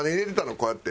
こうやって。